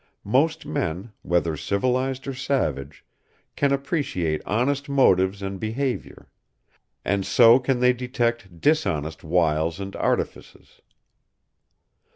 Most men, whether civilized or savage, can appreciate honest motives and behavior; and so can they detect dishonest wiles and artifices.